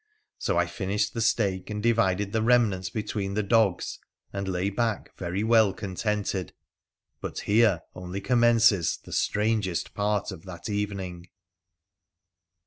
So I finished the steak and divided the remnants between the dogs, and lay back very well contented. But here only commences the strangest part of that evening